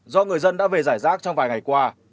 do người dân đã về giải rác trong vài ngày qua